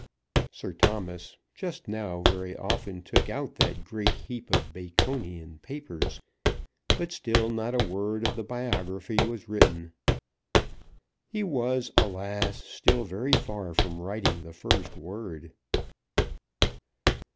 Sir Thomas just now very often took out that great heap of Baconian papers, but still not a word of the biography was written. He was, alas! still very far from writing the first word.